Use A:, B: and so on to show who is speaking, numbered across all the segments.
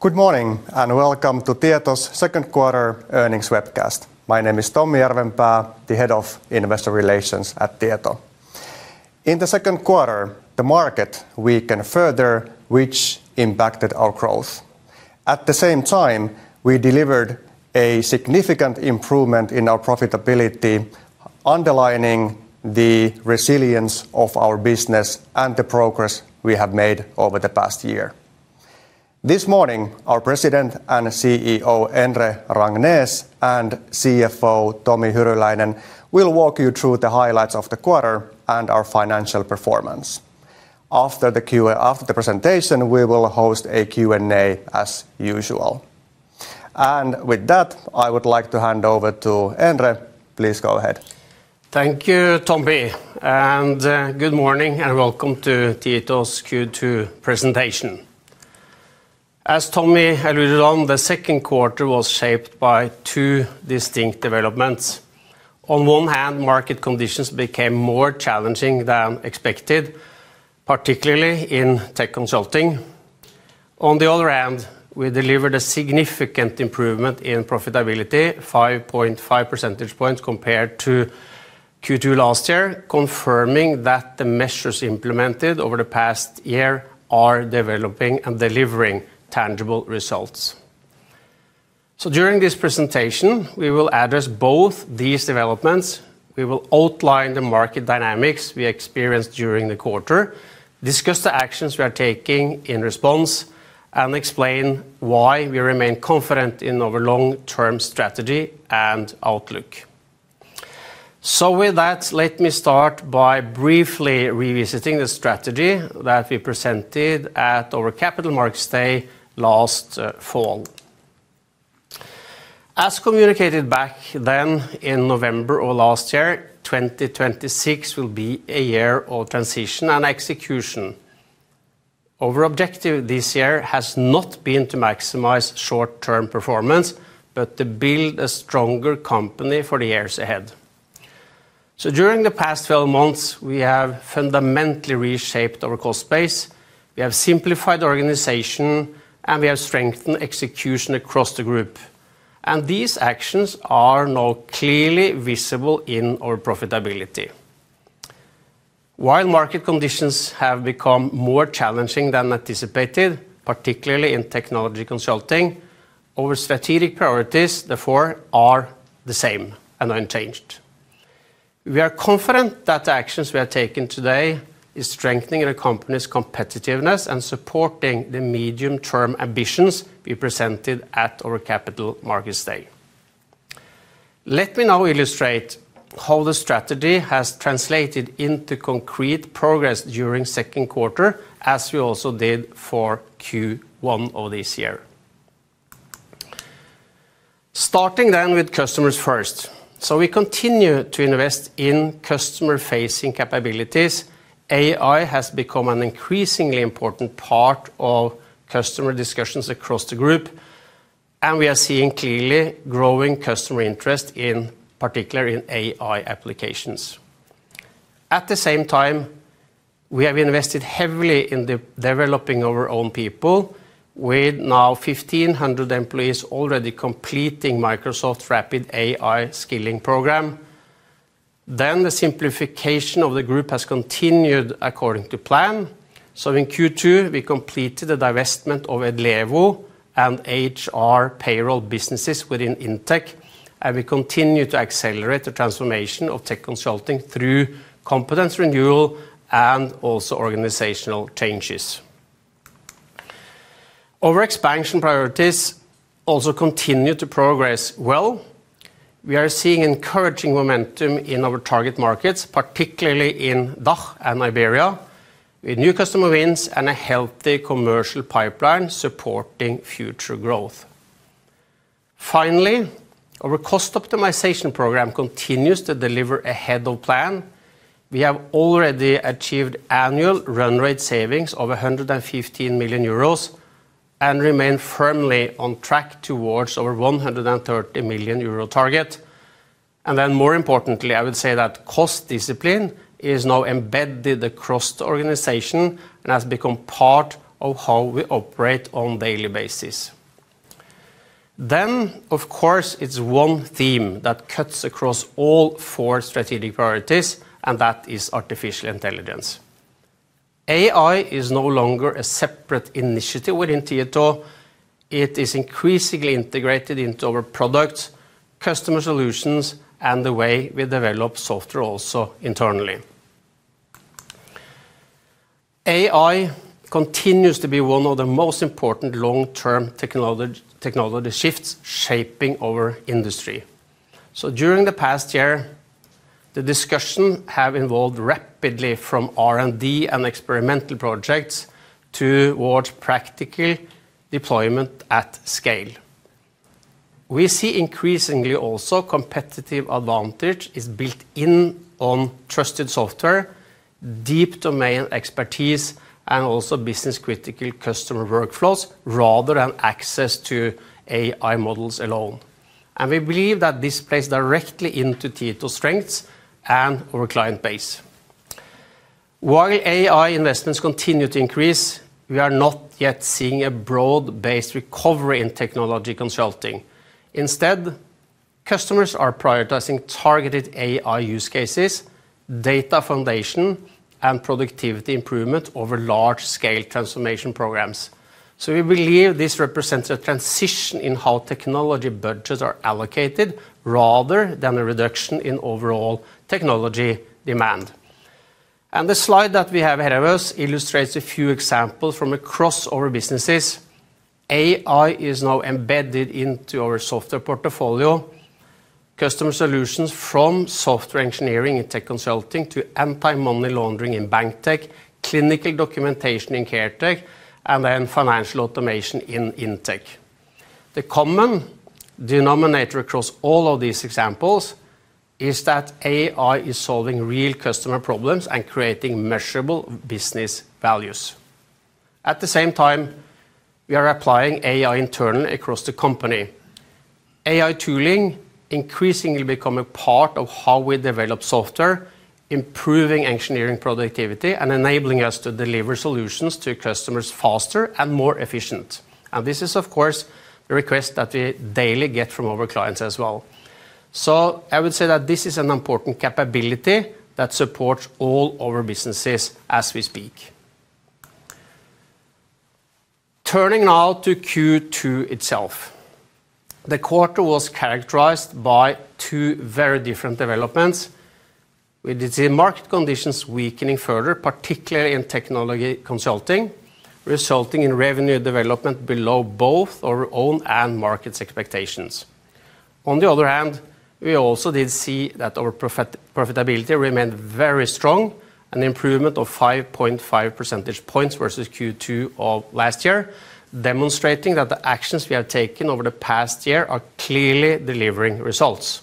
A: Good morning, welcome to Tieto's second quarter earnings webcast. My name is Tommi Järvenpää, the Head of Investor Relations at Tieto. In the second quarter, the market weakened further, which impacted our growth. At the same time, we delivered a significant improvement in our profitability, underlining the resilience of our business and the progress we have made over the past year. This morning, our President and CEO, Endre Rangnes, and CFO, Tomi Hyryläinen, will walk you through the highlights of the quarter and our financial performance. After the presentation, we will host a Q and A as usual. With that, I would like to hand over to Endre. Please go ahead.
B: Thank you, Tommi, good morning, welcome to Tieto's Q2 presentation. As Tommi alluded on, the second quarter was shaped by two distinct developments. On one hand, market conditions became more challenging than expected, particularly in tech consulting. On the other hand, we delivered a significant improvement in profitability, 5.5 percentage points compared to Q2 last year, confirming that the measures implemented over the past year are developing and delivering tangible results. During this presentation, we will address both these developments. We will outline the market dynamics we experienced during the quarter, discuss the actions we are taking in response, and explain why we remain confident in our long-term strategy and outlook. With that, let me start by briefly revisiting the strategy that we presented at our Capital Markets Day last fall. As communicated back then in November of last year, 2026 will be a year of transition and execution. Our objective this year has not been to maximize short-term performance, but to build a stronger company for the years ahead. During the past 12 months, we have fundamentally reshaped our cost base, we have simplified the organization, and we have strengthened execution across the group. These actions are now clearly visible in our profitability. While market conditions have become more challenging than anticipated, particularly in technology consulting, our strategic priorities, the four, are the same and unchanged. We are confident that the actions we are taking today is strengthening the company's competitiveness and supporting the medium-term ambitions we presented at our Capital Markets Day. Let me now illustrate how the strategy has translated into concrete progress during second quarter, as we also did for Q1 of this year. Starting then with customers first. We continue to invest in customer-facing capabilities. AI has become an increasingly important part of customer discussions across the group, and we are seeing clearly growing customer interest in particular in AI applications. At the same time, we have invested heavily in developing our own people, with now 1,500 employees already completing Microsoft Rapid AI Skilling program. The simplification of the group has continued according to plan. In Q2, we completed the divestment of Edlevo and HR & Payroll businesses within Indtech, and we continue to accelerate the transformation of tech consulting through competence renewal and also organizational changes. Our expansion priorities also continue to progress well. We are seeing encouraging momentum in our target markets, particularly in DACH and Iberia, with new customer wins and a healthy commercial pipeline supporting future growth. Our cost optimization program continues to deliver ahead of plan. We have already achieved annual run rate savings of 115 million euros and remain firmly on track towards our 130 million euro target. More importantly, I would say that cost discipline is now embedded across the organization and has become part of how we operate on daily basis. Of course, it's one theme that cuts across all four strategic priorities, and that is artificial intelligence. AI is no longer a separate initiative within Tieto. It is increasingly integrated into our products, customer solutions, and the way we develop software also internally. AI continues to be one of the most important long-term technology shifts shaping our industry. During the past year, the discussion have evolved rapidly from R&D and experimental projects towards practical deployment at scale. We see increasingly also competitive advantage is built in on trusted software, deep domain expertise, and also business-critical customer workflows, rather than access to AI models alone. We believe that this plays directly into Tieto's strengths and our client base. While AI investments continue to increase, we are not yet seeing a broad-based recovery in technology consulting. Instead, customers are prioritizing targeted AI use cases, data foundation, and productivity improvement over large-scale transformation programs. We believe this represents a transition in how technology budgets are allocated rather than a reduction in overall technology demand. The slide that we have ahead of us illustrates a few examples from across our businesses. AI is now embedded into our software portfolio, customer solutions from software engineering and tech consulting to anti-money laundering in BankTech, clinical documentation in CareTech, and then financial automation in Indtech. The common denominator across all of these examples is that AI is solving real customer problems and creating measurable business values. At the same time, we are applying AI internally across the company. AI tooling increasingly become a part of how we develop software, improving engineering productivity, and enabling us to deliver solutions to customers faster and more efficient. This is, of course, the request that we daily get from our clients as well. I would say that this is an important capability that supports all our businesses as we speak. Turning now to Q2 itself. The quarter was characterized by two very different developments with the market conditions weakening further, particularly in technology consulting, resulting in revenue development below both our own and market's expectations. On the other hand, we also did see that our profitability remained very strong, an improvement of 5.5 percentage points versus Q2 of last year, demonstrating that the actions we have taken over the past year are clearly delivering results.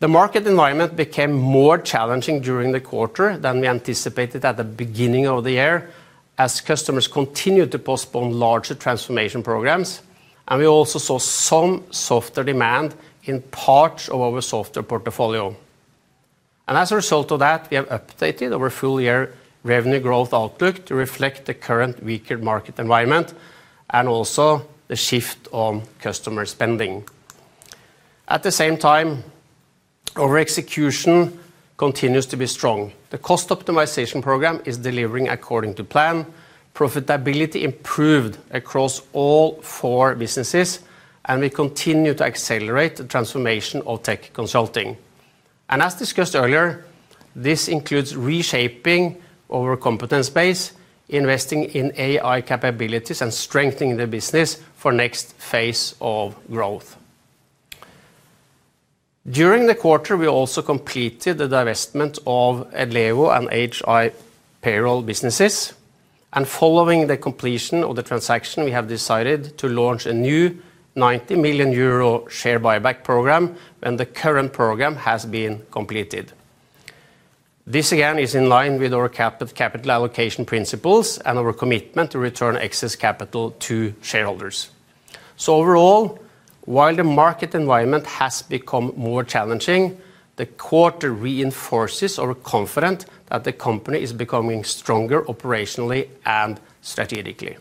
B: The market environment became more challenging during the quarter than we anticipated at the beginning of the year as customers continued to postpone larger transformation programs. We also saw some softer demand in parts of our software portfolio. As a result of that, we have updated our full-year revenue growth outlook to reflect the current weaker market environment, and also the shift on customer spending. At the same time, our execution continues to be strong. The cost optimization program is delivering according to plan. Profitability improved across all four businesses, and we continue to accelerate the transformation of Tech Consulting. As discussed earlier, this includes reshaping our competence base, investing in AI capabilities, and strengthening the business for next phase of growth. During the quarter, we also completed the divestment of Edlevo and HR & Payroll businesses. Following the completion of the transaction, we have decided to launch a new 90 million euro share buyback program, and the current program has been completed. This, again, is in line with our capital allocation principles and our commitment to return excess capital to shareholders. Overall, while the market environment has become more challenging, the quarter reinforces our confidence that the company is becoming stronger operationally and strategically.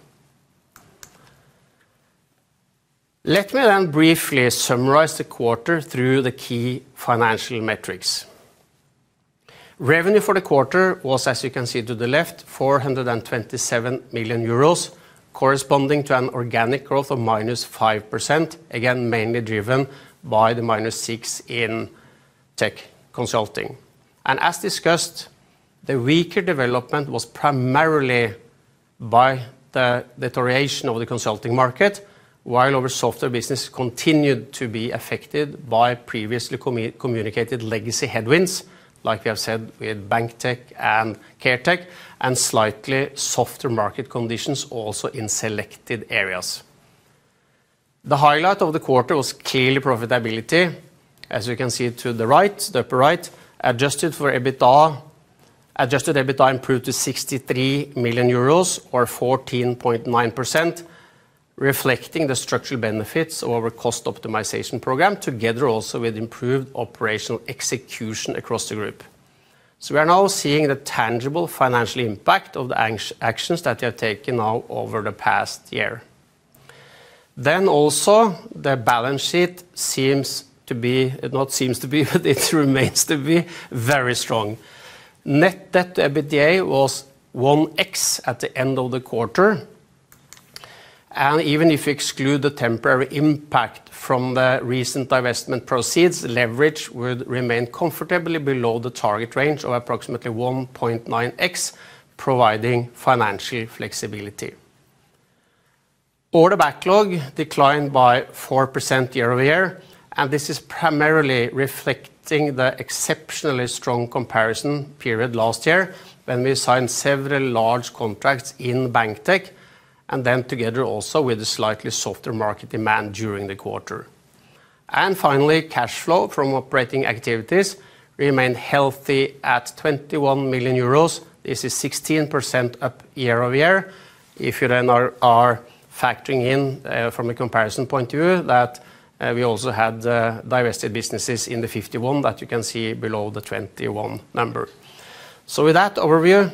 B: Let me then briefly summarize the quarter through the key financial metrics. Revenue for the quarter was, as you can see to the left, 427 million euros, corresponding to an organic growth of -5%, again, mainly driven by the -6% in Tech Consulting. As discussed, the weaker development was primarily by the deterioration of the consulting market, while our software business continued to be affected by previously communicated legacy headwinds, like we have said, with Tieto Banktech and Tieto Caretech, and slightly softer market conditions also in selected areas. The highlight of the quarter was clearly profitability. As you can see to the right, the upper right, Adjusted EBITDA improved to 63 million euros, or 14.9%, reflecting the structural benefits of our cost optimization program, together also with improved operational execution across the group. We are now seeing the tangible financial impact of the actions that we have taken now over the past year. Also, the balance sheet seems to be not seems to be, it remains to be very strong. Net debt to EBITDA was 1x at the end of the quarter. Even if you exclude the temporary impact from the recent divestment proceeds, leverage would remain comfortably below the target range of approximately 1.9x, providing financial flexibility. Order backlog declined by 4% year-over-year, and this is primarily reflecting the exceptionally strong comparison period last year when we signed several large contracts in Tieto Banktech, and together also with a slightly softer market demand during the quarter. Finally, cash flow from operating activities remained healthy at 21 million euros. This is 16% up year-over-year. If you then are factoring in from a comparison point of view that we also had the divested businesses in the 51 that you can see below the 21 number. With that overview,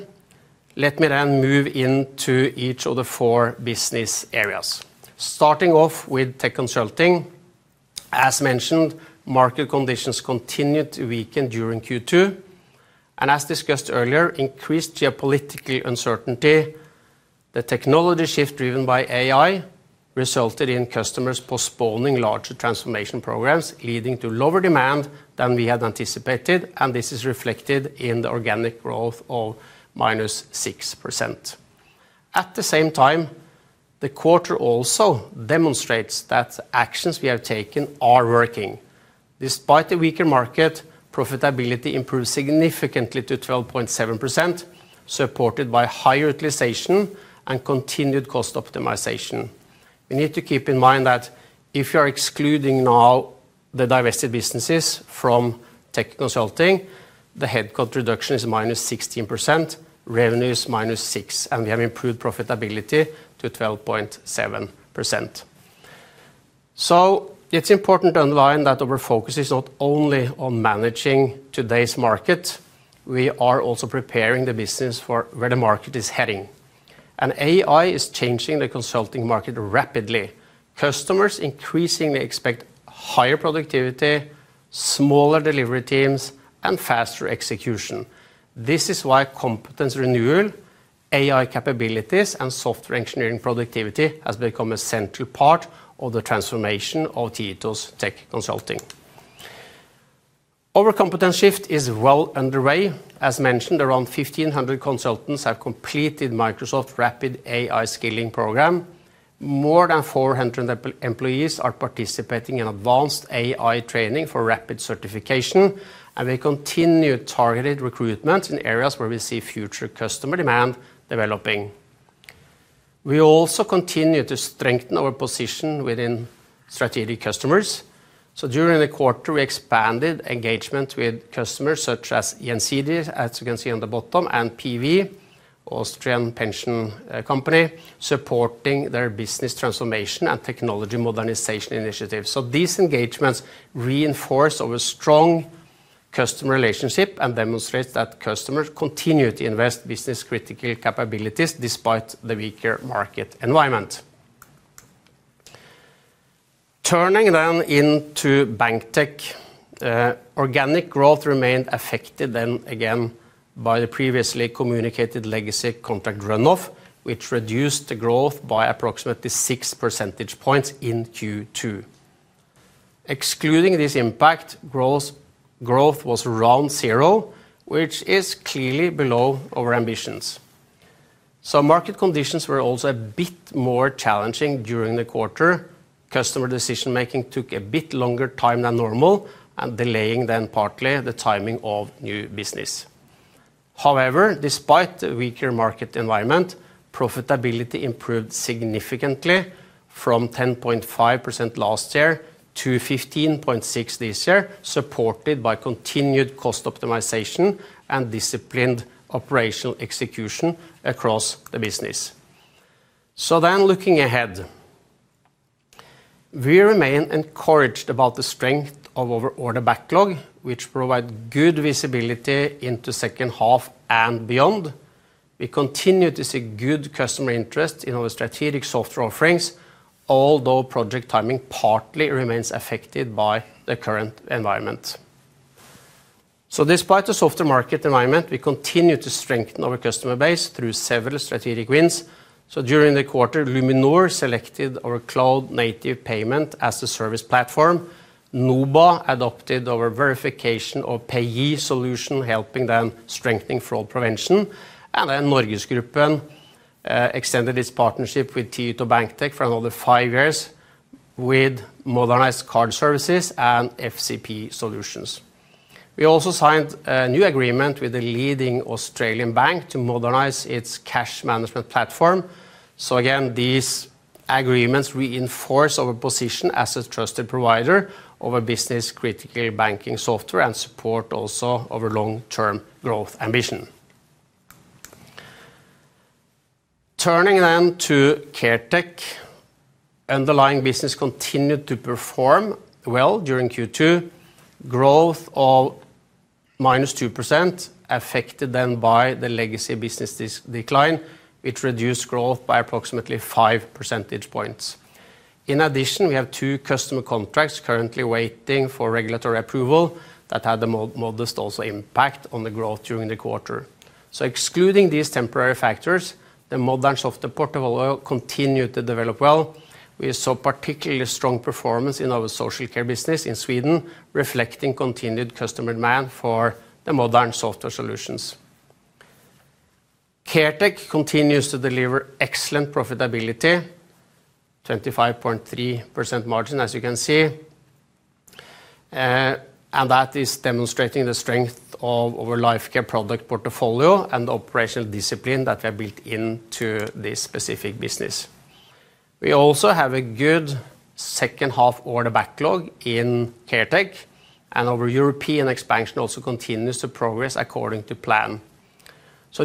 B: let me then move into each of the four business areas. Starting off with Tech Consulting. As mentioned, market conditions continued to weaken during Q2, and as discussed earlier, increased geopolitically uncertainty. The technology shift driven by AI resulted in customers postponing larger transformation programs, leading to lower demand than we had anticipated, and this is reflected in the organic growth of -6%. At the same time, the quarter also demonstrates that actions we have taken are working. Despite the weaker market, profitability improved significantly to 12.7%, supported by higher utilization and continued cost optimization. You need to keep in mind that if you are excluding now the divested businesses from Tech Consulting, the headcount reduction is -16%, revenue is -6%, and we have improved profitability to 12.7%. So it's important to underline that our focus is not only on managing today's market, we are also preparing the business for where the market is heading. AI is changing the consulting market rapidly. Customers increasingly expect higher productivity, smaller delivery teams, and faster execution. This is why competence renewal, AI capabilities, and software engineering productivity has become a central part of the transformation of Tieto Tech Consulting. Our competence shift is well underway. As mentioned, around 1,500 consultants have completed Microsoft Rapid AI Skilling Program. More than 400 employees are participating in advanced AI training for rapid certification, and we continue targeted recruitment in areas where we see future customer demand developing. We also continue to strengthen our position within strategic customers. During the quarter, we expanded engagement with customers such as EFC, as you can see on the bottom, and PVA, Austrian pension company, supporting their business transformation and technology modernization initiatives. These engagements reinforce our strong customer relationship and demonstrate that customers continue to invest business-critical capabilities despite the weaker market environment. Turning then into Banktech. Organic growth remained affected then again by the previously communicated legacy contract runoff, which reduced the growth by approximately six percentage points in Q2. Excluding this impact, growth was around zero, which is clearly below our ambitions. Market conditions were also a bit more challenging during the quarter. Customer decision-making took a bit longer time than normal and delaying then partly the timing of new business. However, despite the weaker market environment, profitability improved significantly from 10.5% last year to 15.6% this year, supported by continued cost optimization and disciplined operational execution across the business. Looking ahead, we remain encouraged about the strength of our order backlog, which provide good visibility into second half and beyond. We continue to see good customer interest in our strategic software offerings, although project timing partly remains affected by the current environment. Despite the softer market environment, we continue to strengthen our customer base through several strategic wins. During the quarter, Luminor selected our cloud-native payment as the service platform. NOBA adopted our Verification of Payee solution, helping them strengthening fraud prevention. NorgesGruppen extended its partnership with Tieto Banktech for another five years with modernized card services and FCP solutions. We also signed a new agreement with the leading Australian bank to modernize its cash management platform. Again, these agreements reinforce our position as a trusted provider of a business-critical banking software and support also our long-term growth ambition. Turning then to Caretech. Underlying business continued to perform well during Q2. Growth of -2% affected then by the legacy business decline, which reduced growth by approximately five percentage points. In addition, we have two customer contracts currently waiting for regulatory approval that had the modest also impact on the growth during the quarter. Excluding these temporary factors, the modern software portfolio continued to develop well. We saw particularly strong performance in our social care business in Sweden, reflecting continued customer demand for the modern software solutions. Caretech continues to deliver excellent profitability, 25.3% margin, as you can see, and that is demonstrating the strength of our Lifecare product portfolio and the operational discipline that we have built into this specific business. We also have a good second-half order backlog in Caretech, and our European expansion also continues to progress according to plan.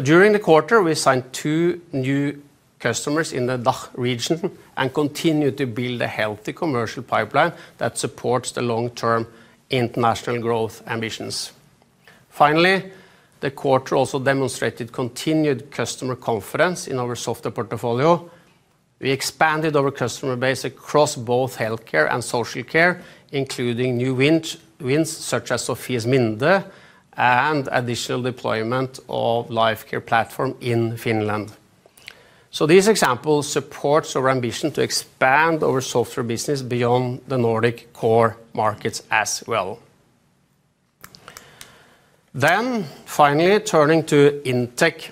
B: During the quarter, we signed two new customers in the DACH region and continue to build a healthy commercial pipeline that supports the long-term international growth ambitions. Finally, the quarter also demonstrated continued customer confidence in our software portfolio. We expanded our customer base across both healthcare and social care, including new wins such as Sophies Minde and additional deployment of Lifecare platform in Finland. These examples support our ambition to expand our software business beyond the Nordic core markets as well. Finally, turning to Indtech.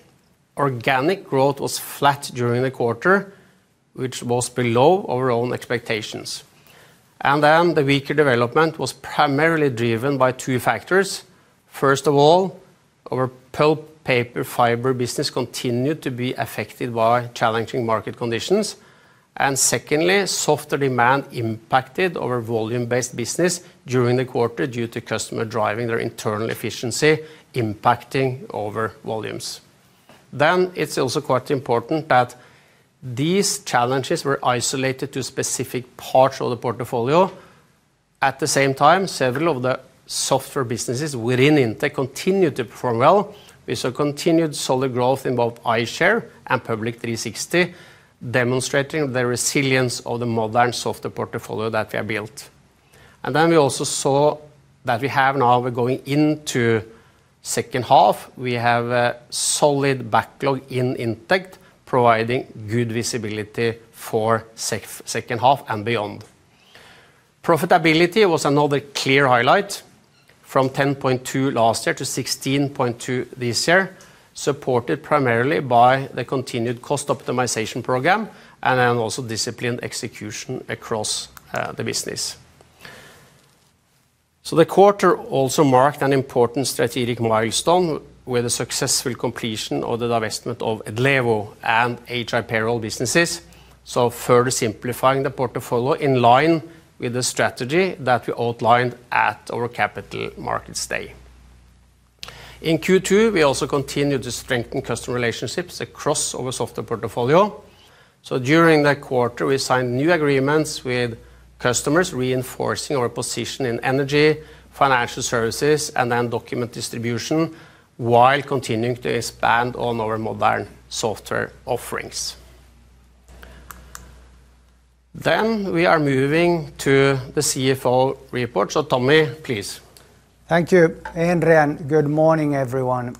B: Organic growth was flat during the quarter, which was below our own expectations. The weaker development was primarily driven by two factors. First of all, our pulp paper fiber business continued to be affected by challenging market conditions. Secondly, softer demand impacted our volume-based business during the quarter due to customer driving their internal efficiency impacting our volumes. It's also quite important that these challenges were isolated to specific parts of the portfolio. At the same time, several of the software businesses within Indtech continued to perform well with a continued solid growth in both eye-share and Public 360°, demonstrating the resilience of the modern software portfolio that we have built. We also saw that we have now, we're going into second half, we have a solid backlog in Indtech, providing good visibility for second half and beyond. Profitability was another clear highlight from 10.2% last year to 16.2% this year, supported primarily by the continued cost optimization program and disciplined execution across the business. The quarter also marked an important strategic milestone with the successful completion of the divestment of Edlevo and HR & Payroll businesses, further simplifying the portfolio in line with the strategy that we outlined at our Capital Markets Day. In Q2, we also continued to strengthen customer relationships across our software portfolio. During that quarter, we signed new agreements with customers, reinforcing our position in energy, financial services, and document distribution, while continuing to expand on our modern software offerings. We are moving to the CFO report. Tomi, please.
C: Thank you, Endre, and good morning, everyone.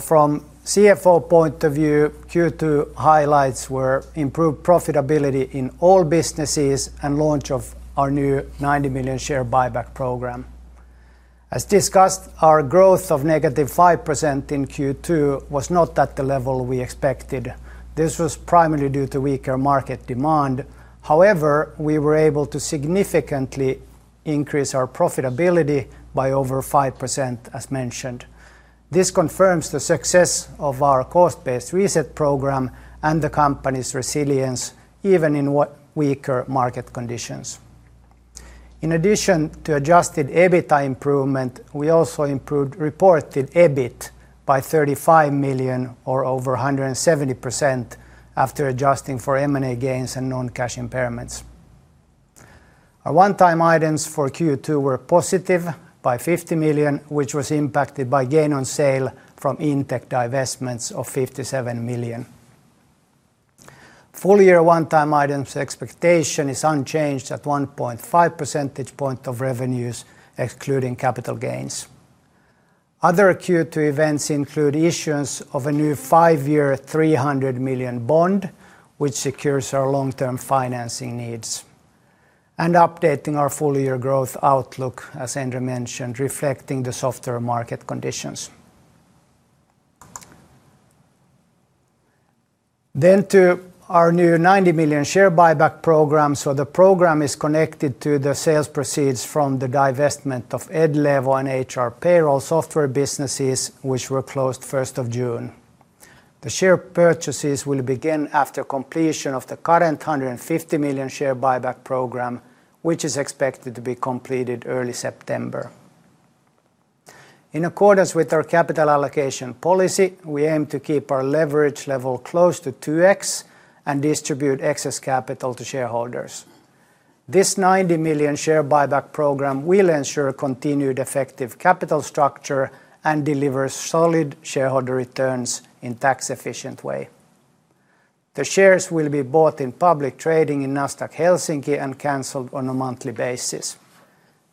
C: From CFO point of view, Q2 highlights were improved profitability in all businesses and launch of our new 90 million share buyback program. As discussed, our growth of negative 5% in Q2 was not at the level we expected. This was primarily due to weaker market demand. However, we were able to significantly increase our profitability by over 5%, as mentioned. This confirms the success of our cost-based reset program and the company's resilience, even in weaker market conditions. In addition to Adjusted EBITDA improvement, we also improved reported EBIT by 35 million or over 170% after adjusting for M&A gains and non-cash impairments. Our one-time items for Q2 were positive by 50 million, which was impacted by gain on sale from Indtech divestments of 57 million. Full year one-time items expectation is unchanged at 1.5 percentage point of revenues, excluding capital gains. Other Q2 events include issuance of a new five-year 300 million bond, which secures our long-term financing needs, and updating our full year growth outlook, as Endre mentioned, reflecting the softer market conditions. To our new 90 million share buyback program. The program is connected to the sales proceeds from the divestment of Edlevo and HR & Payroll software businesses, which were closed 1st of June. The share purchases will begin after completion of the current 150 million share buyback program, which is expected to be completed early September. In accordance with our capital allocation policy, we aim to keep our leverage level close to 2x and distribute excess capital to shareholders. This 90 million share buyback program will ensure continued effective capital structure and deliver solid shareholder returns in tax-efficient way. The shares will be bought in public trading in NASDAQ Helsinki and canceled on a monthly basis.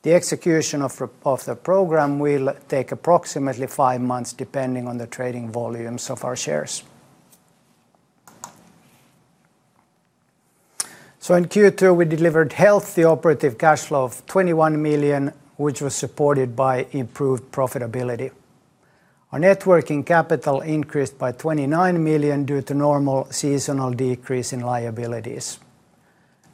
C: The execution of the program will take approximately five months, depending on the trading volumes of our shares. In Q2, we delivered healthy operative cash flow of 21 million, which was supported by improved profitability. Our net working capital increased by 29 million due to normal seasonal decrease in liabilities.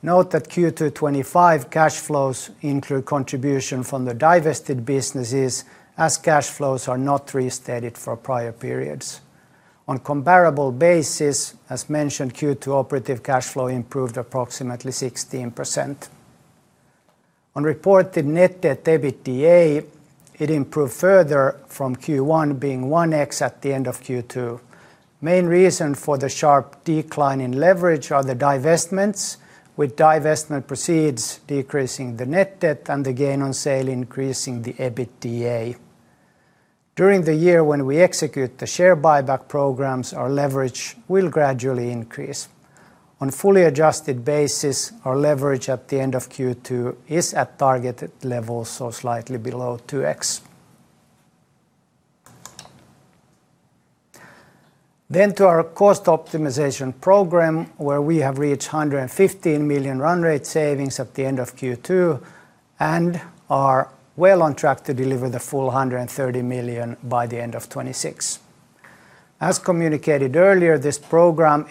C: Note that Q2 2025 cash flows include contribution from the divested businesses as cash flows are not restated for prior periods. On comparable basis, as mentioned, Q2 operative cash flow improved approximately 16%. On reported net debt EBITDA, it improved further from Q1 being 1x at the end of Q2. Main reason for the sharp decline in leverage are the divestments, with divestment proceeds decreasing the net debt and the gain on sale increasing the EBITDA. During the year when we execute the share buyback programs, our leverage will gradually increase. On a fully adjusted basis, our leverage at the end of Q2 is at targeted levels, so slightly below 2x. To our cost optimization program, where we have reached 115 million run rate savings at the end of Q2 and are well on track to deliver the full 130 million by the end of 2026. As communicated earlier, this program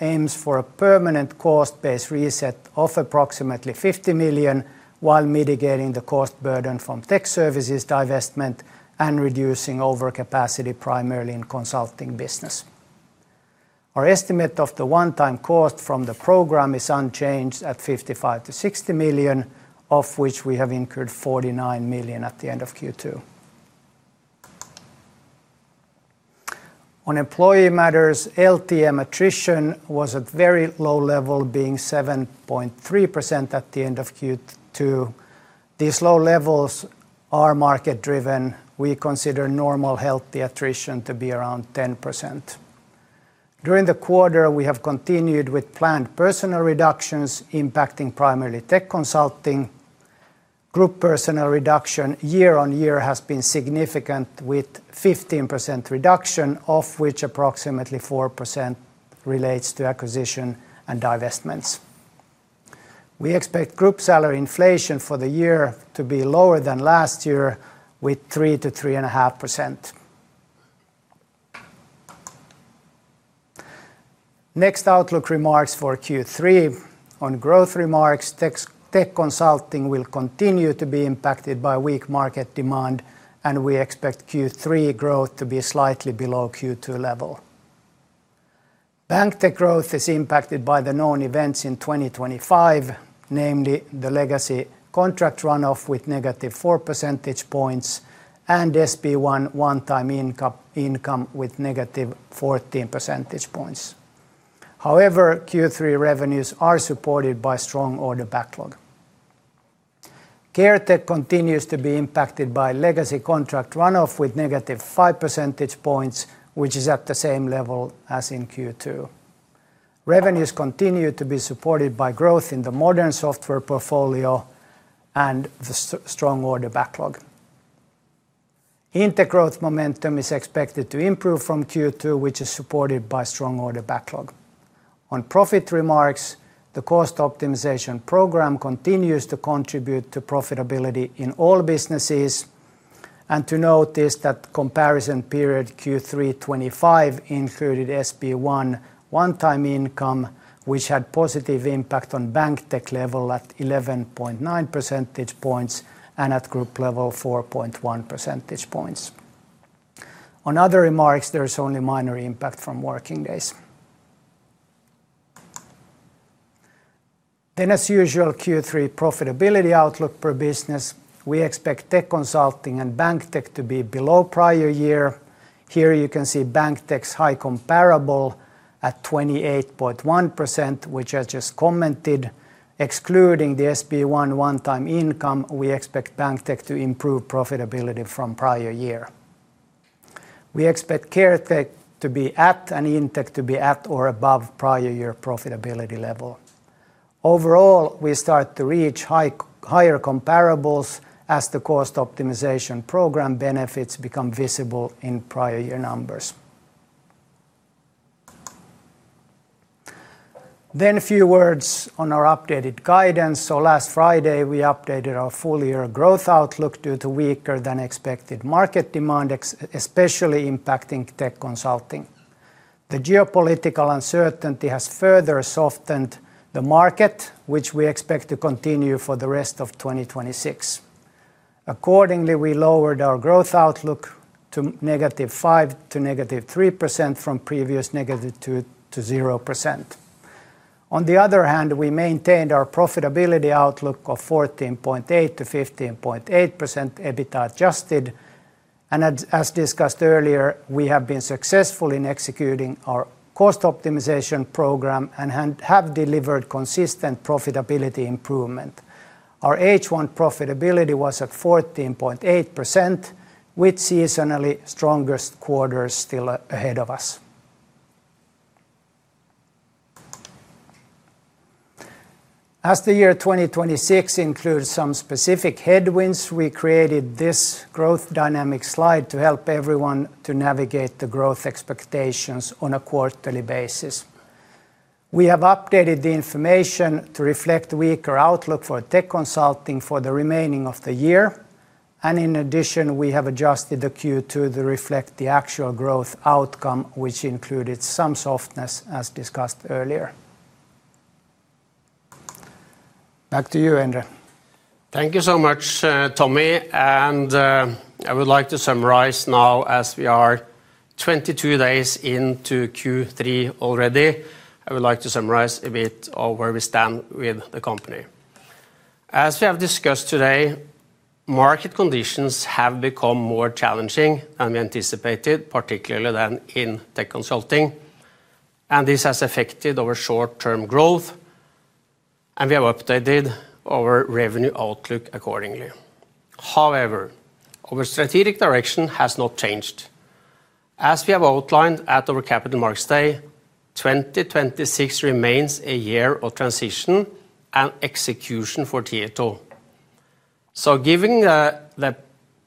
C: aims for a permanent cost-based reset of approximately 50 million while mitigating the cost burden from Tech Services divestment and reducing overcapacity primarily in consulting business. Our estimate of the one-time cost from the program is unchanged at 55 million-60 million, of which we have incurred 49 million at the end of Q2. On employee matters, LTM attrition was at very low level, being 7.3% at the end of Q2. These low levels are market-driven. We consider normal healthy attrition to be around 10%. During the quarter, we have continued with planned personnel reductions impacting primarily Tech Consulting. Group personnel reduction year-over-year has been significant with 15% reduction, of which approximately 4% relates to acquisition and divestments. We expect group salary inflation for the year to be lower than last year, with 3%-3.5%. Outlook remarks for Q3. On growth remarks, Tech Consulting will continue to be impacted by weak market demand, and we expect Q3 growth to be slightly below Q2 level. Banktech growth is impacted by the known events in 2025, namely the legacy contract run-off with negative four percentage points and SP1 one-time income with negative 14 percentage points. Q3 revenues are supported by strong order backlog. Caretech continues to be impacted by legacy contract run-off with negative five percentage points, which is at the same level as in Q2. Revenues continue to be supported by growth in the modern software portfolio and the strong order backlog. Indtech growth momentum is expected to improve from Q2, which is supported by strong order backlog. On profit remarks, the cost optimization program continues to contribute to profitability in all businesses and to note is that comparison period Q3 2025 included SP1 one-time income, which had positive impact on Banktech level at 11.9 percentage points and at group level, 4.1 percentage points. On other remarks, there is only minor impact from working days. As usual, Q3 profitability outlook per business. We expect Tech Consulting and Banktech to be below prior year. Here you can see Banktech's high comparable at 28.1%, which I just commented. Excluding the SP1 one-time income, we expect Banktech to improve profitability from prior year. We expect Caretech to be at and Indtech to be at or above prior year profitability level. Overall, we start to reach higher comparables as the cost optimization program benefits become visible in prior year numbers. A few words on our updated guidance. Last Friday, we updated our full-year growth outlook due to weaker than expected market demand, especially impacting Tech Consulting. The geopolitical uncertainty has further softened the market, which we expect to continue for the rest of 2026. Accordingly, we lowered our growth outlook to -5% to -3% from previous -2% to 0%. On the other hand, we maintained our profitability outlook of 14.8%-15.8% EBITDA Adjusted, as discussed earlier, we have been successful in executing our cost optimization program and have delivered consistent profitability improvement. Our H1 profitability was at 14.8%, with seasonally strongest quarters still ahead of us. As the year 2026 includes some specific headwinds, we created this growth dynamic slide to help everyone to navigate the growth expectations on a quarterly basis. We have updated the information to reflect weaker outlook for Tech Consulting for the remaining of the year. In addition, we have adjusted the Q2 to reflect the actual growth outcome, which included some softness, as discussed earlier. Back to you, Endre.
B: Thank you so much, Tomi. I would like to summarize now as we are 22 days into Q3 already, I would like to summarize a bit of where we stand with the company. As we have discussed today, market conditions have become more challenging than we anticipated, particularly than in Tech Consulting. This has affected our short-term growth, and we have updated our revenue outlook accordingly. However, our strategic direction has not changed. As we have outlined at our Capital Markets Day, 2026 remains a year of transition and execution for Tieto. Given the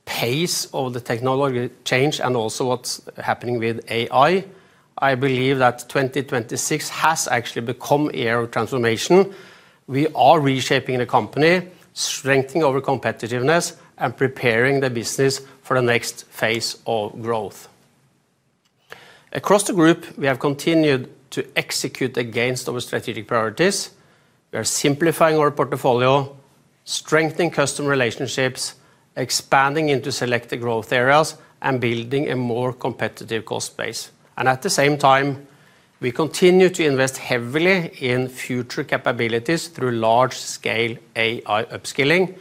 B: pace of the technology change and also what's happening with AI, I believe that 2026 has actually become a year of transformation. We are reshaping the company, strengthening our competitiveness, and preparing the business for the next phase of growth. Across the group, we have continued to execute against our strategic priorities. We are simplifying our portfolio, strengthening customer relationships, expanding into selected growth areas, and building a more competitive cost base. At the same time, we continue to invest heavily in future capabilities through large-scale AI upskilling,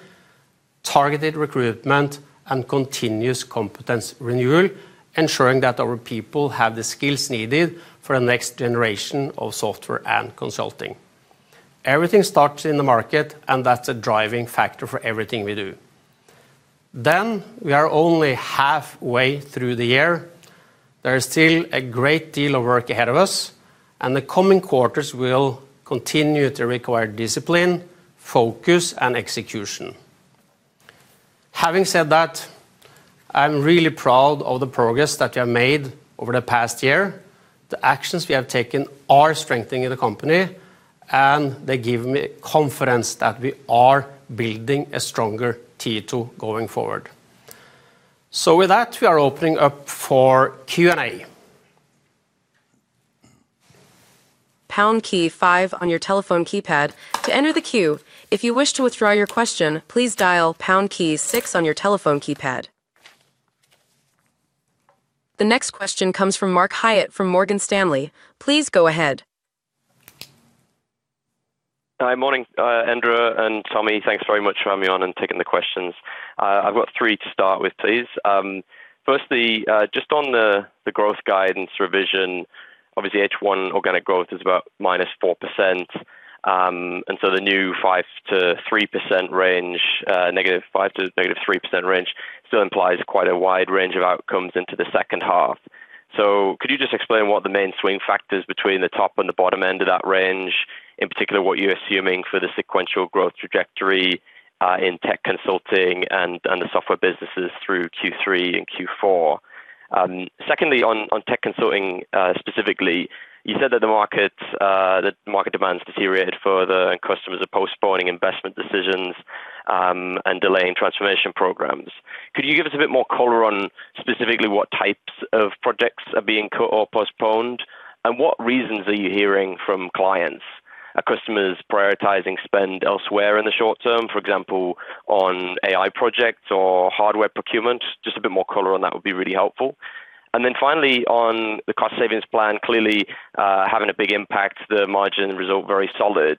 B: targeted recruitment, and continuous competence renewal, ensuring that our people have the skills needed for the next generation of software and consulting. Everything starts in the market, and that's a driving factor for everything we do. We are only halfway through the year. There is still a great deal of work ahead of us, and the coming quarters will continue to require discipline, focus, and execution. Having said that, I'm really proud of the progress that we have made over the past year. The actions we have taken are strengthening the company, and they give me confidence that we are building a stronger Tieto going forward. With that, we are opening up for Q and A.
D: Pound key five on your telephone keypad to enter the queue. If you wish to withdraw your question, please dial pound key six on your telephone keypad. The next question comes from Mark Hyatt from Morgan Stanley. Please go ahead.
E: Hi. Morning, Endre and Tomi. Thanks very much for having me on and taking the questions. I've got three to start with, please. Firstly, just on the growth guidance revision, obviously H1 organic growth is about minus 4%. The new negative 5% to negative 3% range still implies quite a wide range of outcomes into the second half. Could you just explain what the main swing factors between the top and the bottom end of that range, in particular, what you're assuming for the sequential growth trajectory, in Tieto Tech Consulting and the software businesses through Q3 and Q4? Secondly, on Tieto Tech Consulting, specifically, you said that the market demands deteriorated further and customers are postponing investment decisions, and delaying transformation programs. Could you give us a bit more color on specifically what types of projects are being cut or postponed? What reasons are you hearing from clients? Are customers prioritizing spend elsewhere in the short term, for example, on AI projects or hardware procurement? Just a bit more color on that would be really helpful. Then finally, on the cost savings plan, clearly, having a big impact, the margin result very solid.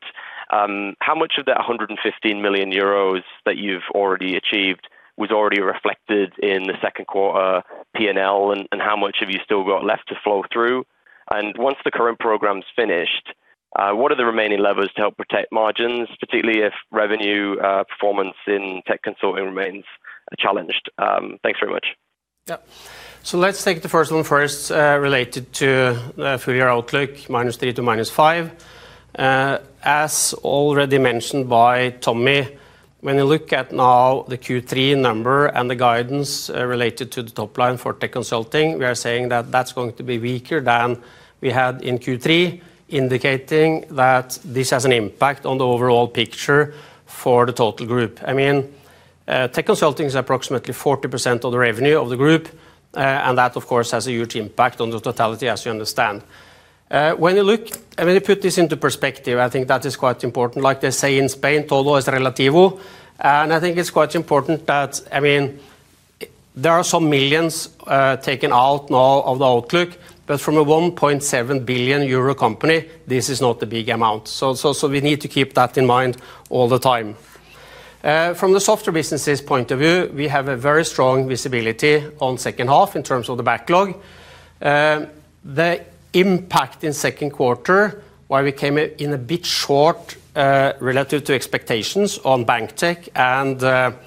E: How much of that 115 million euros that you've already achieved was already reflected in the second quarter P&L, and how much have you still got left to flow through? Once the current program's finished, what are the remaining levers to help protect margins, particularly if revenue, performance in Tech Consulting remains challenged? Thanks very much.
B: Let's take the first one first, related to the full-year outlook, -3% to -5%. As already mentioned by Tomi, when you look at now the Q3 number and the guidance related to the top line for Tech Consulting, we are saying that that's going to be weaker than we had in Q3, indicating that this has an impact on the overall picture for the total group. Tech Consulting is approximately 40% of the revenue of the group. That, of course, has a huge impact on the totality as you understand. When you put this into perspective, I think that is quite important. Like they say in Spain, [Non-English content}. I think it's quite important that there are some millions, taken out now of the outlook, but from a 1.7 billion euro company, this is not a big amount. We need to keep that in mind all the time. From the software businesses point of view, we have a very strong visibility on second half in terms of the backlog. The impact in second quarter, why we came in a bit short, relative to expectations on Banktech and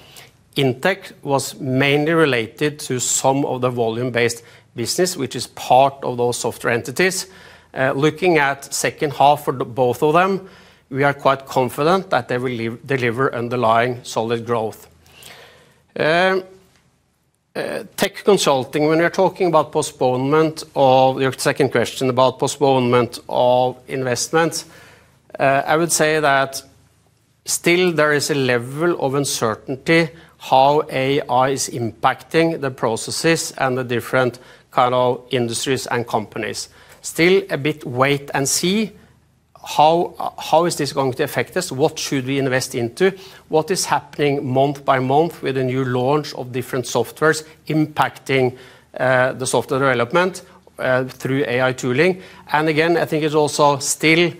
B: Indtech, was mainly related to some of the volume-based business, which is part of those software entities. Looking at second half for both of them, we are quite confident that they will deliver underlying solid growth. Tech Consulting, when we are talking about postponement of your second question about postponement of investment, I would say that still there is a level of uncertainty how AI is impacting the processes and the different kind of industries and companies. Still a bit wait and see. How is this going to affect us? What should we invest into? What is happening month by month with the new launch of different softwares impacting the software development through AI tooling? Again, I think it's also still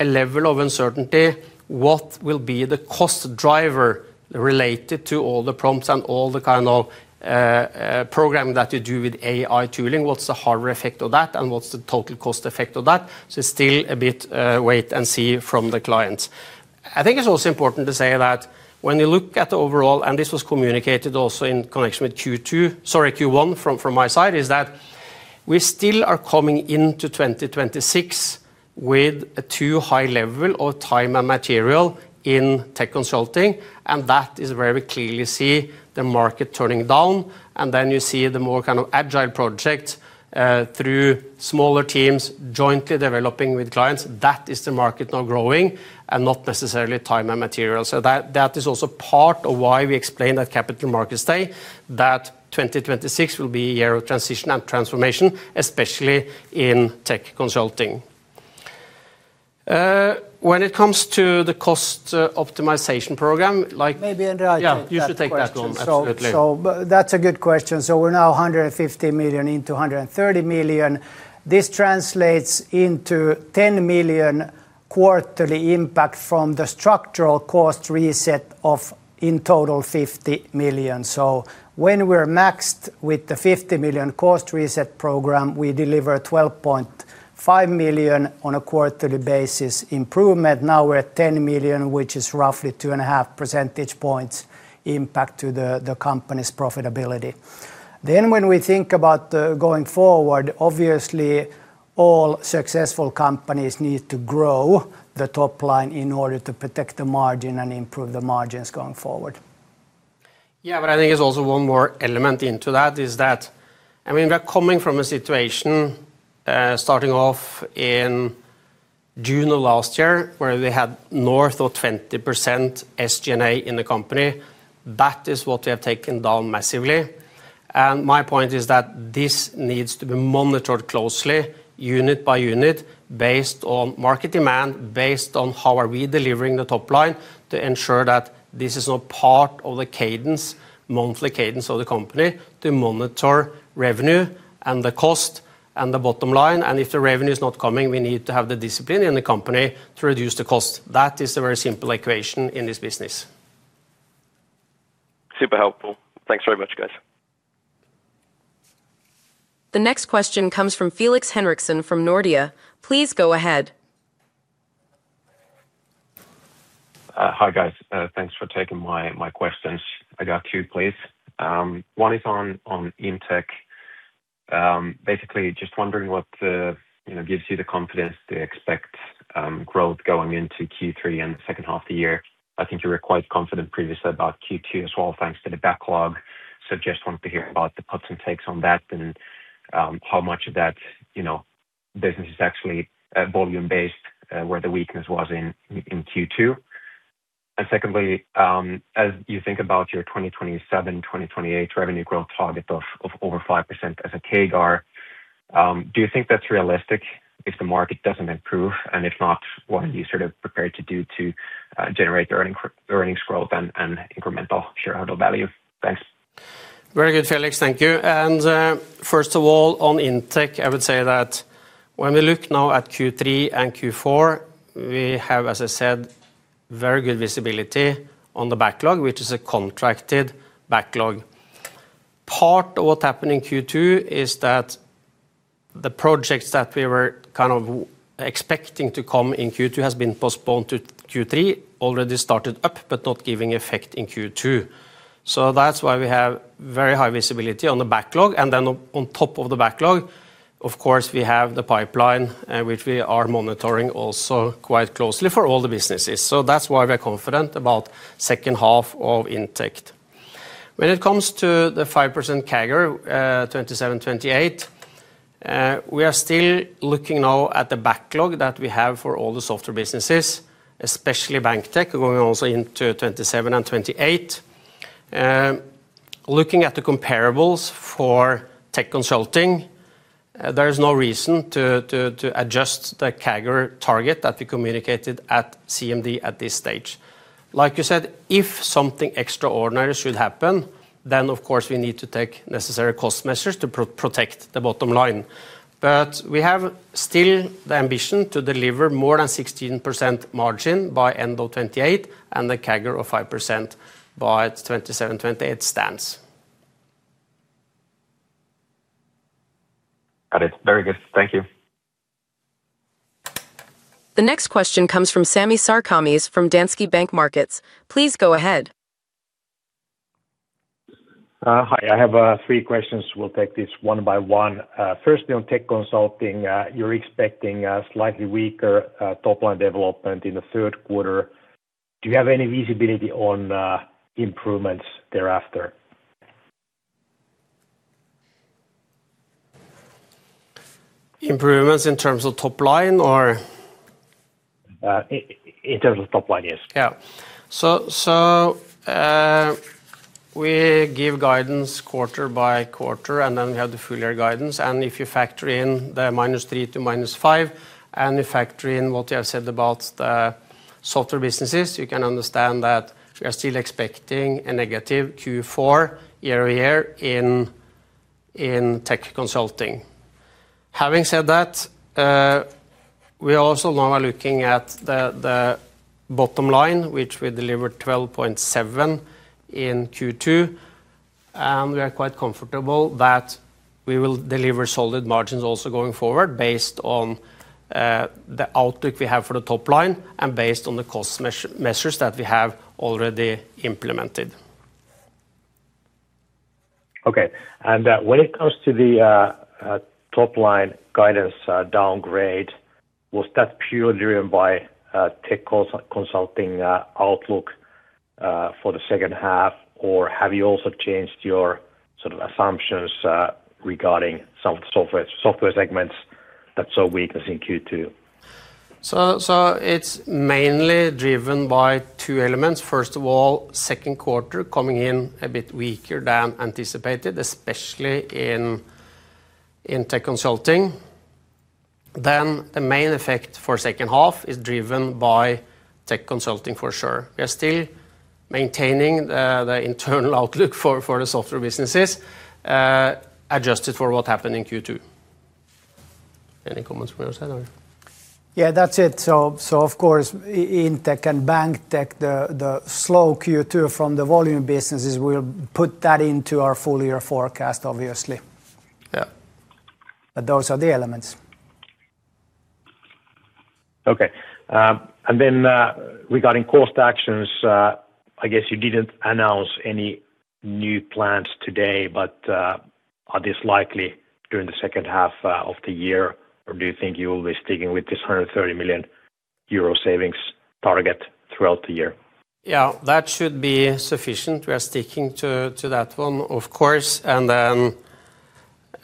B: a level of uncertainty, what will be the cost driver related to all the prompts and all the kind of program that you do with AI tooling? What's the hardware effect of that, and what's the total cost effect of that? Still a bit wait and see from the clients. I think it's also important to say that when you look at the overall, and this was communicated also in connection with Q2, sorry, Q1 from my side, is that we still are coming into 2026 with a too high level of time and material in Tech Consulting, that is where we clearly see the market turning down. You see the more agile project through smaller teams jointly developing with clients. That is the market now growing and not necessarily time and material. That is also part of why we explained that Capital Markets Day, that 2026 will be a year of transition and transformation, especially in Tech Consulting.
C: Maybe I take that question.
B: You should take that one. Absolutely.
C: That's a good question. We're now 150 million into 130 million. This translates into 10 million quarterly impact from the structural cost reset of in total 50 million. When we're maxed with the 50 million cost reset program, we deliver 12.5 million on a quarterly basis improvement. Now we're at 10 million, which is roughly two and a half percentage points impact to the company's profitability. When we think about going forward, obviously all successful companies need to grow the top line in order to protect the margin and improve the margins going forward.
B: I think there's also one more element into that is that, we are coming from a situation, starting off in June of last year, where we had north of 20% SG&A in the company. That is what we have taken down massively. My point is that this needs to be monitored closely, unit by unit, based on market demand, based on how are we delivering the top line to ensure that this is now part of the monthly cadence of the company to monitor revenue and the cost and the bottom line. If the revenue is not coming, we need to have the discipline in the company to reduce the cost. That is the very simple equation in this business.
E: Super helpful. Thanks very much, guys.
D: The next question comes from Felix Henriksson from Nordea. Please go ahead.
F: Hi, guys. Thanks for taking my questions. I got two, please. One is on Indtech. Basically, just wondering what gives you the confidence to expect growth going into Q3 and the second half of the year. I think you were quite confident previously about Q2 as well, thanks to the backlog. Just want to hear about the puts and takes on that and how much of that business is actually volume-based, where the weakness was in Q2. Secondly, as you think about your 2027, 2028 revenue growth target of over 5% as a CAGR, do you think that's realistic if the market doesn't improve? If not, what are you sort of prepared to do to generate earnings growth and incremental shareholder value? Thanks.
B: Very good, Felix. Thank you. First of all, on Indtech, I would say that when we look now at Q3 and Q4, we have, as I said, very good visibility on the backlog, which is a contracted backlog. Part of what happened in Q2 is that the projects that we were kind of expecting to come in Q2 has been postponed to Q3. Already started up, but not giving effect in Q2. That's why we have very high visibility on the backlog. Then on top of the backlog, of course, we have the pipeline, which we are monitoring also quite closely for all the businesses. That's why we're confident about second half of Indtech. When it comes to the 5% CAGR, 2027, 2028, we are still looking now at the backlog that we have for all the software businesses, especially Banktech, going also into 2027 and 2028. Looking at the comparables for Tech Consulting, there is no reason to adjust the CAGR target that we communicated at CMD at this stage. Like you said, if something extraordinary should happen, of course we need to take necessary cost measures to protect the bottom line. We have still the ambition to deliver more than 16% margin by end of 2028 and the CAGR of 5% by 2027, 2028 stands.
F: Got it. Very good. Thank you.
D: The next question comes from Sami Sarkamies from Danske Bank Markets. Please go ahead.
G: Hi, I have three questions. We'll take this one by one. Firstly, on Tech Consulting, you're expecting a slightly weaker top-line development in the third quarter. Do you have any visibility on improvements thereafter?
B: Improvements in terms of top line or?
G: In terms of top line, yes.
B: Yeah. We give guidance quarter by quarter, then we have the full-year guidance. If you factor in the -3% to -5%, you factor in what we have said about the software businesses, you can understand that we are still expecting a negative Q4 year-over-year in Tech Consulting. Having said that, we also now are looking at the bottom line, which we delivered 12.7% in Q2, we are quite comfortable that we will deliver solid margins also going forward based on the outlook we have for the top line and based on the cost measures that we have already implemented.
G: When it comes to the top-line guidance downgrade, was that purely driven by Tieto Tech Consulting outlook for the second half, or have you also changed your assumptions regarding some software segments that saw weakness in Q2?
B: It's mainly driven by two elements. First of all, second quarter coming in a bit weaker than anticipated, especially in Tieto Tech Consulting. The main effect for second half is driven by Tieto Tech Consulting, for sure. We are still maintaining the internal outlook for the software businesses, adjusted for what happened in Q2. Any comments from your side, Tomi?
C: Yeah, that's it. Of course, in Tech and Banktech, the slow Q2 from the volume businesses, we'll put that into our full-year forecast, obviously.
G: Yeah.
C: Those are the elements.
G: Okay. Regarding cost actions, I guess you didn't announce any new plans today, but are these likely during the second half of the year, or do you think you will be sticking with this 130 million euro savings target throughout the year?
B: Yeah, that should be sufficient. We are sticking to that one, of course.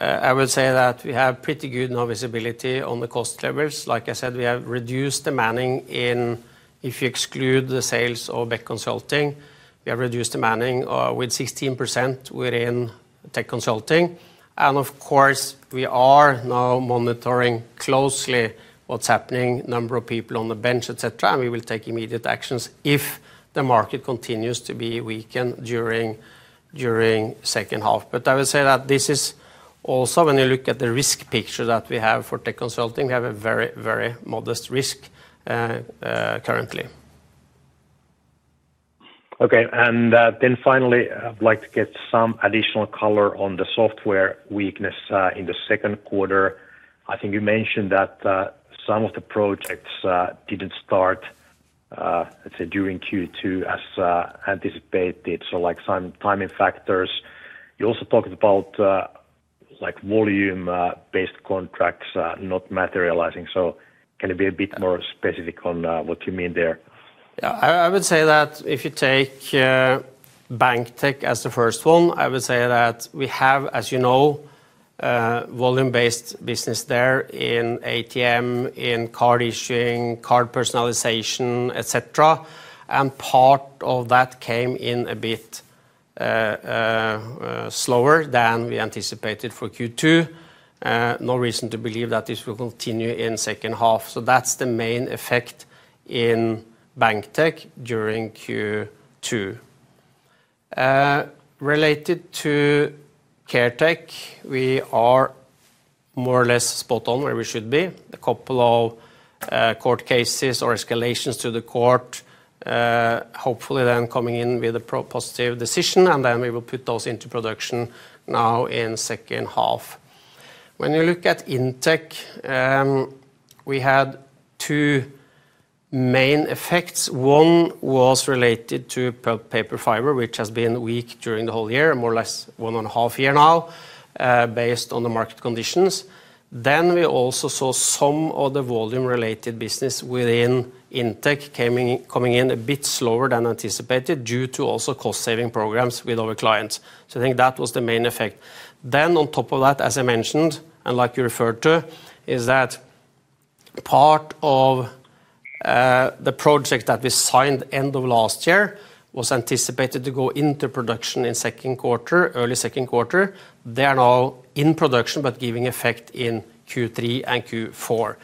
B: I would say that we have pretty good now visibility on the cost levers. Like I said, we have reduced the manning in, if you exclude the sales of Tech Consulting, we have reduced the manning with 16% within Tech Consulting. Of course, we are now monitoring closely what's happening, number of people on the bench, et cetera, and we will take immediate actions if the market continues to be weakened during second half. I would say that this is also, when you look at the risk picture that we have for Tech Consulting, we have a very modest risk currently.
G: Okay, finally, I'd like to get some additional color on the software weakness in the second quarter. I think you mentioned that some of the projects didn't start, let's say, during Q2 as anticipated, so like some timing factors. You also talked about volume-based contracts not materializing. Can you be a bit more specific on what you mean there?
B: Yeah. I would say that if you take Banktech as the first one, I would say that we have, as you know, volume-based business there in ATM, in card issuing, card personalization, et cetera, and part of that came in a bit slower than we anticipated for Q2. No reason to believe that this will continue in second half. That's the main effect in Banktech during Q2. Related to Caretech, we are more or less spot on where we should be. A couple of court cases or escalations to the court, hopefully then coming in with a positive decision, and then we will put those into production now in second half. When you look at Indtech, we had two main effects. One was related to pulp paper fiber, which has been weak during the whole year, more or less one and a half year now, based on the market conditions. We also saw some of the volume-related business within Indtech coming in a bit slower than anticipated due to also cost-saving programs with our clients. I think that was the main effect. On top of that, as I mentioned, and like you referred to, is that part of the project that we signed end of last year was anticipated to go into production in second quarter, early second quarter. They are now in production but giving effect in Q3 and Q4.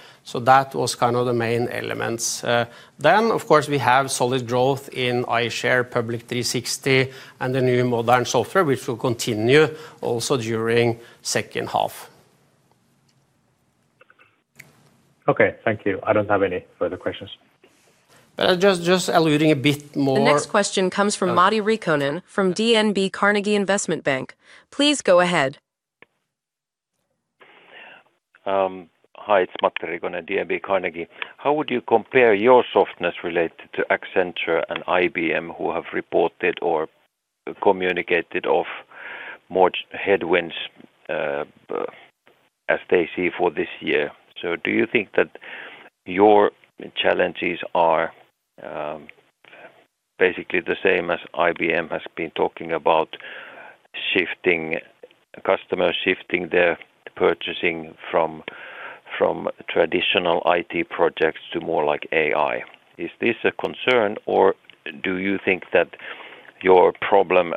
B: That was kind of the main elements. Of course, we have solid growth in eye-share Public 360° and the new modern software, which will continue also during second half.
G: Okay. Thank you. I don't have any further questions.
B: Just alluding a bit more
D: The next question comes from Matti Riikonen from DNB Carnegie Investment Bank. Please go ahead.
H: Hi, it's Matti Riikonen, DNB Carnegie. How would you compare your softness related to Accenture and IBM, who have reported or communicated of more headwinds as they see for this year? Do you think that your challenges are basically the same as IBM has been talking about shifting, customers shifting their purchasing from traditional IT projects to more like AI. Is this a concern, or do you think that your problem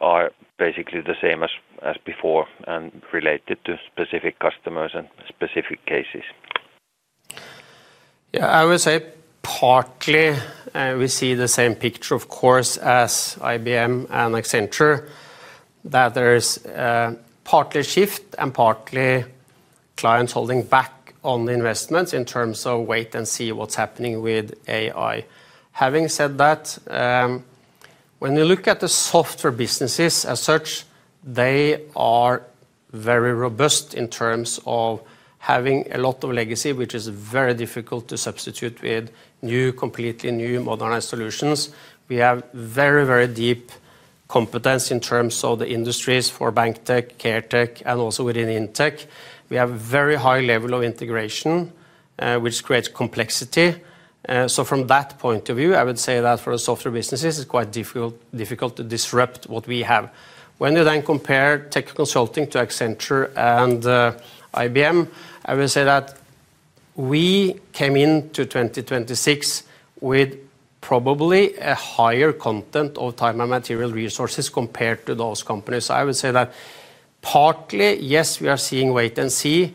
H: are basically the same as before and related to specific customers and specific cases?
B: Yeah, I would say partly, we see the same picture, of course, as IBM and Accenture, that there's partly shift and partly clients holding back on investments in terms of wait and see what's happening with AI. Having said that, when you look at the software businesses as such, they are very robust in terms of having a lot of legacy, which is very difficult to substitute with completely new modernized solutions. We have very deep competence in terms of the industries for Banktech, Caretech, and also within Indtech. We have very high level of integration, which creates complexity. From that point of view, I would say that for the software businesses, it's quite difficult to disrupt what we have. When you then compare Tech Consulting to Accenture and IBM, I would say that we came into 2026 with probably a higher content of time and material resources compared to those companies. I would say that partly, yes, we are seeing wait and see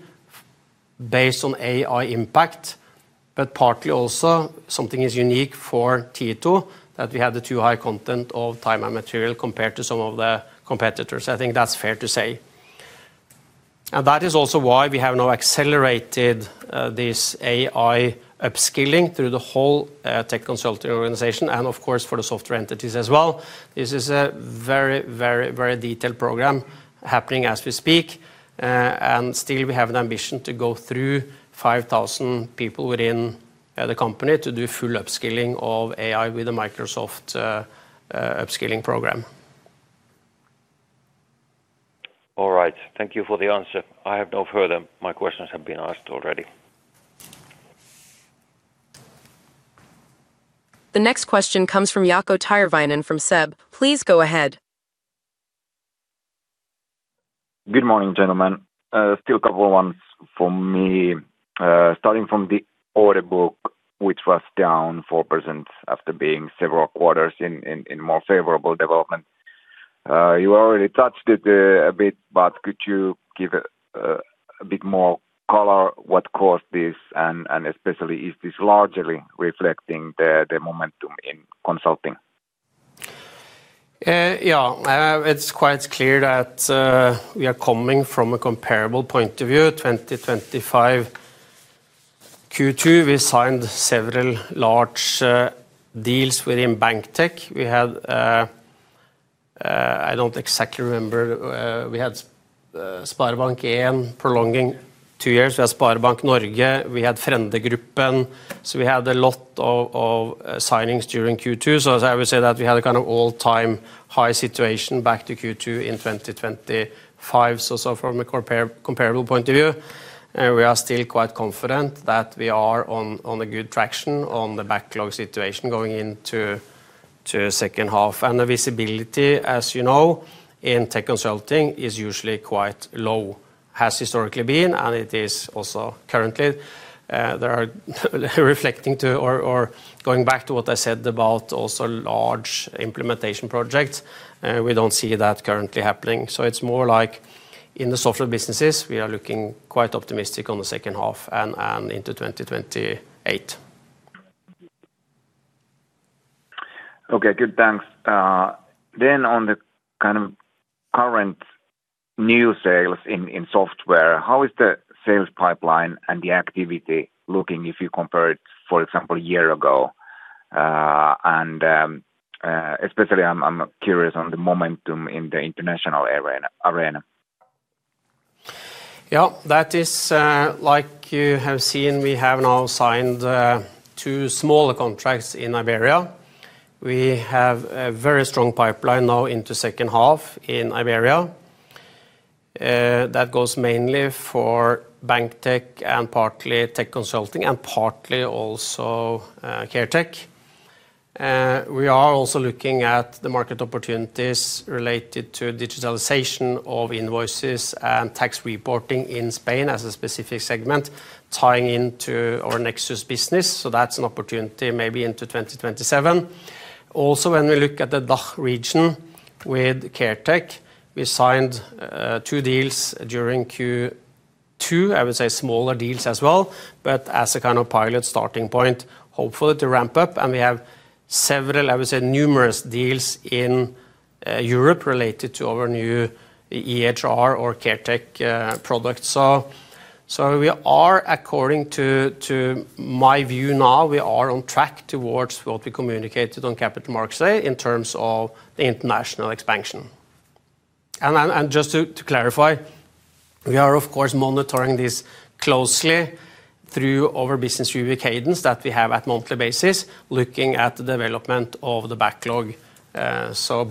B: based on AI impact, but partly also something is unique for Tieto, that we have the too high content of time and material compared to some of the competitors. I think that's fair to say. That is also why we have now accelerated this AI upskilling through the whole Tech Consulting organization and of course, for the software entities as well. This is a very detailed program happening as we speak. Still we have an ambition to go through 5,000 people within the company to do full upskilling of AI with the Microsoft upskilling program.
H: All right. Thank you for the answer. I have no further. My questions have been asked already.
D: The next question comes from Jaakko Tyrväinen from SEB. Please go ahead.
I: Good morning, gentlemen. Still a couple ones from me. Starting from the order book, which was down 4% after being several quarters in more favorable development. You already touched it a bit, could you give a bit more color what caused this? Especially, is this largely reflecting the momentum in consulting?
B: Yeah. It's quite clear that we are coming from a comparable point of view. 2025 Q2, we signed several large deals within Banktech. I don't exactly remember. We had SpareBank 1 prolonging two years. We had SpareBank Norge. We had Frendegruppen. We had a lot of signings during Q2. I would say that we had a kind of all-time high situation back to Q2 in 2025. From a comparable point of view, we are still quite confident that we are on a good traction on the backlog situation going into second half. The visibility, as you know, in tech consulting is usually quite low, has historically been, and it is also currently. Reflecting to or going back to what I said about also large implementation projects, we don't see that currently happening. It's more like in the software businesses, we are looking quite optimistic on the second half and into 2028.
I: Okay. Good, thanks. On the kind of current new sales in software, how is the sales pipeline and the activity looking if you compare it, for example, a year ago? Especially I'm curious on the momentum in the international arena.
B: Yeah. That is like you have seen, we have now signed two smaller contracts in Iberia. We have a very strong pipeline now into second half in Iberia. That goes mainly for Banktech and partly tech consulting and partly also Caretech. We are also looking at the market opportunities related to digitalization of invoices and tax reporting in Spain as a specific segment tying into our Nexus business. That's an opportunity maybe into 2027. Also, when we look at the DACH region with Care tech, we signed two deals during Q2. I would say smaller deals as well, but as a kind of pilot starting point, hopefully to ramp up. We have several, I would say numerous deals in Europe related to our new EHR or Caretech product. We are, according to my view now, we are on track towards what we communicated on Capital Markets Day in terms of the international expansion. Just to clarify, we are of course monitoring this closely through our business review cadence that we have at monthly basis, looking at the development of the backlog.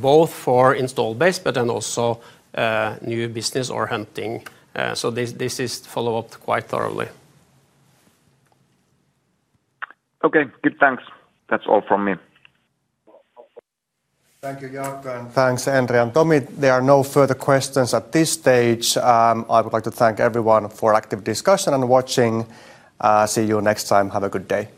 B: Both for install base but then also new business or hunting. This is followed up quite thoroughly.
I: Okay. Good, thanks. That is all from me.
A: Thank you, Jaakko, thanks, Endre and Tomi. There are no further questions at this stage. I would like to thank everyone for active discussion and watching. See you next time. Have a good day.